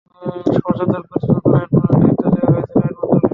সমস্যা দূর করতে নতুন আইন প্রণয়নের দায়িত্ব দেওয়া হয়েছিল আইন মন্ত্রণালয়কে।